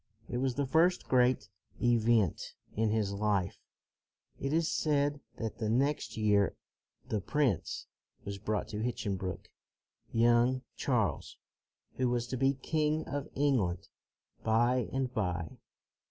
It was the first great event in his life. It is said that the next year the prince was brought to Hinchinbrook, young 233 234 CROMWELL Charles, who was to be king of England by and by.